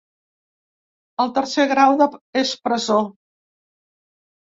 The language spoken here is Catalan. El tercer grau és presó.